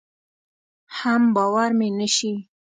حم باور مې نشي.